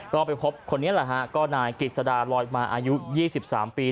ก็ไปพบคนนี้แหละฮะก็นายกิจสดาลอยมาอายุ๒๓ปี